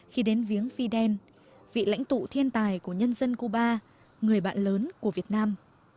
khi đến viếng fidel vị lãnh tụ thiên tài của nhân dân cuba người bạn lớn của việt nam